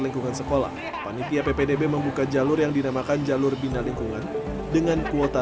lingkungan sekolah panitia ppdb membuka jalur yang dinamakan jalur bina lingkungan dengan kuota